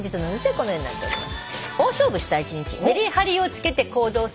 このようになっております。